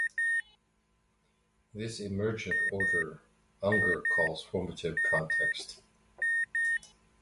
This emergent order Unger calls formative context.